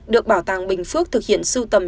được bảo tàng bình phước thực hiện sưu tầm